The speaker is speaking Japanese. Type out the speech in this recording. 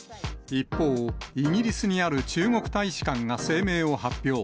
一方、イギリスにある中国大使館が声明を発表。